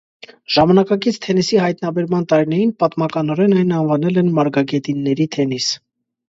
Ժամանակակից թենիսի հայտնաբերման տարիներին պատմականորեն այն անվանել են «մարգագետինների թենիս»։